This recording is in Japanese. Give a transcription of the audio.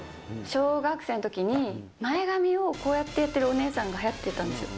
小学生のときに、前髪をこうやってやってるお姉さんがはやってたんですよ。